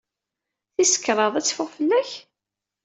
Tis kraḍ ad teffeɣ fell-ak?